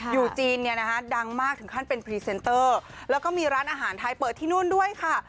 อยู่จีนเนี่ยนะคะดังมากถึงขั้นเป็นพรีเซนเตอร์แล้วก็มีร้านอาหารไทยเปิดที่นู่นด้วยค่ะ